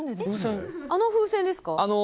あの風船ですか。